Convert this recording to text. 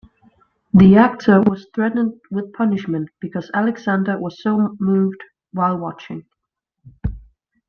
The actor was threatened with punishment because Alexander was so moved while watching.